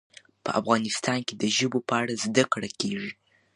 په افغانستان کې د ژبو په اړه زده کړه کېږي.